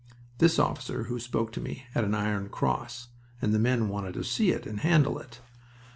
This officer who spoke to me had an Iron Cross, and the men wanted to see it and handle it.